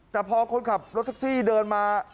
แต่พอคนขับรถแท็กซี่เดินมา